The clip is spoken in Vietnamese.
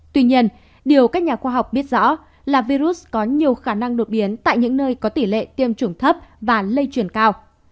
tuy nhiên điều các nhà khoa học biết rõ là virus có nhiều khả năng đột biến tại những nơi có tỷ lệ tiêm chủng thấp và lây truyền cao